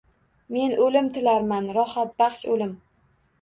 Men o‘lim tilarman, rohatbaxsh o‘lim